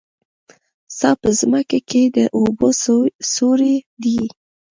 څا په ځمکه کې د اوبو سوری دی